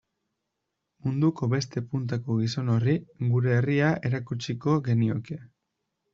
Munduko beste puntako gizon horri gure herria erakutsiko genioke.